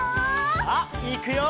さあいくよ！